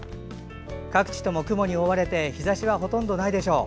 各地とも雲に覆われて日ざしはほとんどないでしょう。